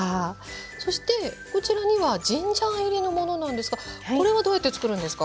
そしてこちらにはジンジャー入りのものなんですがこれはどうやってつくるんですか？